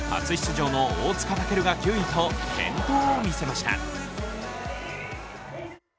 初出場の大塚健が９位と健闘を見せました。